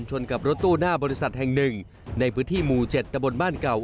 ชนกับรถตู้หน้าบริษัทแห่งหนึ่งในพื้นที่หมู่๗ตะบนบ้านเก่า